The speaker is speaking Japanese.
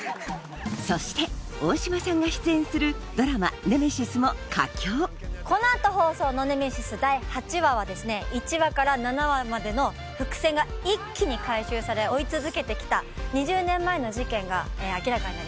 そして大島さんが出演するドラマ『ネメシス』も佳境この後放送の『ネメシス』第８話は１話から７話までの伏線が一気に回収され追い続けて来た２０年前の事件が明らかになります。